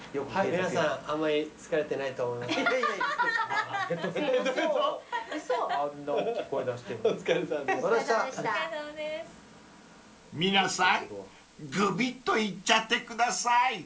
［皆さんぐびっといっちゃってください］